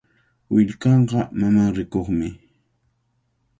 Willkanqa mamanrikuqmi.